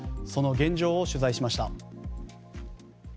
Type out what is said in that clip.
その現状を取材しました。